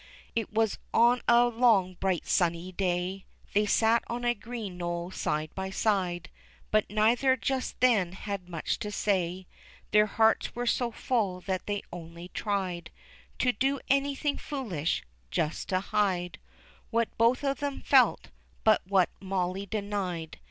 It was on a long bright sunny day They sat on a green knoll side by side, But neither just then had much to say; Their hearts were so full that they only tried To do anything foolish, just to hide What both of them felt, but what Molly denied.